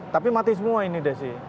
tapi mati semua ini desi